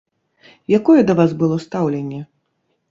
Якое да вас было стаўленне?